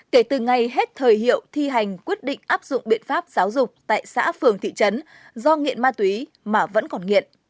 kể từ ngày hết thời hiệu thi hành quyết định áp dụng biện pháp giáo dục tại xã phường thị trấn do nghiện ma túy mà vẫn còn nghiện